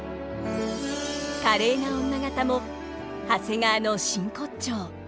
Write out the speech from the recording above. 華麗な女方も長谷川の真骨頂。